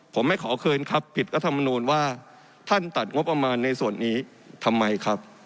ผมไม่ขอคืนครับผิดรัฐมนูลว่าท่านตัดงบประมาณในส่วนนี้ทำไมครับ